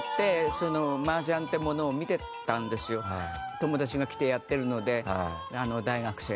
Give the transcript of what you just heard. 友達が来てやってるので大学生が。